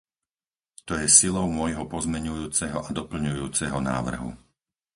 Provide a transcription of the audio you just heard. To je silou môjho pozmeňujúceho a doplňujúceho návrhu.